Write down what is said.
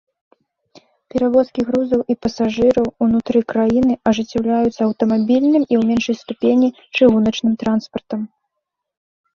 Перавозкі грузаў і пасажыраў унутры краіны ажыццяўляюцца аўтамабільным і, у меншай ступені, чыгуначным транспартам.